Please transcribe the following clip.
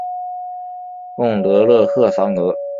贡德勒克桑格。